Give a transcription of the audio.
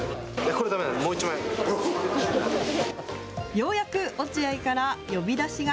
ようやく落合から呼び出しが。